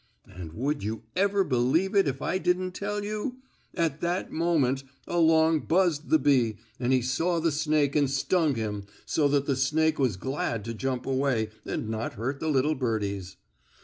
And, would you ever believe it if I didn't tell you? At that moment along buzzed the bee and he saw the snake and stung him so that the snake was glad to jump away, and not hurt the little birdies.